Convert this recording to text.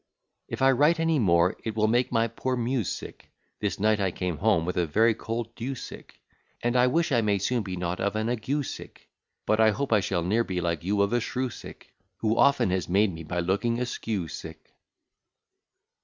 If I write any more, it will make my poor Muse sick. This night I came home with a very cold dew sick, And I wish I may soon be not of an ague sick; But I hope I shall ne'er be like you, of a shrew sick, Who often has made me, by looking askew, sick.